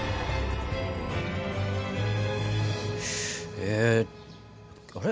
えあれ？